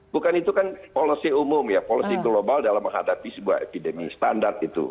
bukan itu kan policy umum ya policy global dalam menghadapi sebuah epidemi standar itu